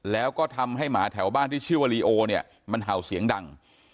แล้วก็ทำให้หมาแถวบ้านที่ชื่อว่าลีโอเนี่ยมันเห่าเสียงดัง